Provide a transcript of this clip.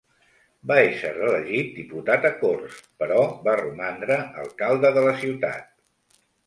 Va ésser elegit diputat a corts, però va romandre alcalde de la ciutat.